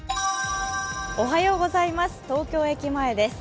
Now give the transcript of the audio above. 東京駅前です。